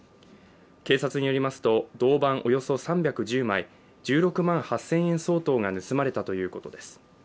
警察によりますと銅板およそ３１０枚１６万８０００円相当が盗まれたということです。